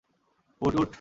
উঠ, উঠ।